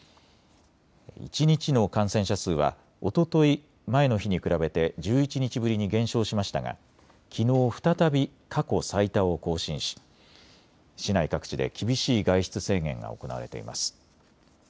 一日の感染者数はおととい、前の日に比べて１１日ぶりに減少しましたがきのう再び過去最多を更新し市内各地で厳しい外出制限が行われています。